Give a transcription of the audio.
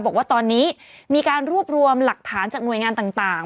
บอกว่าตอนนี้มีการรวบรวมหลักฐานจากหน่วยงานต่าง